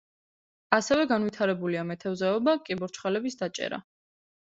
ასევე განვითარებულია მეთევზეობა, კიბორჩხალების დაჭერა.